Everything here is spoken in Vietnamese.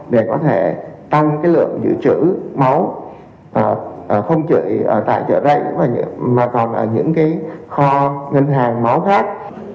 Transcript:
để có thể tăng lượng dự trữ máu không chỉ tại chợ rẫy mà còn ở những kho ngân hàng máu khác